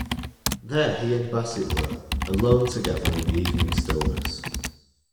There he and Bassett were, alone together in the evening stillness.